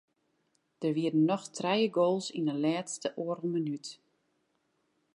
Der wiene noch trije goals yn de lêste oardel minút.